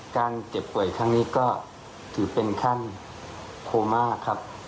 เจ็บป่วยครั้งนี้ก็ถือเป็นขั้นโคม่าครับ